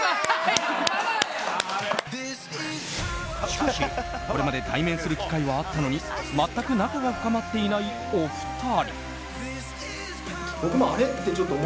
しかし、これまで対面する機会はあったのに全く仲が深まっていないお二人。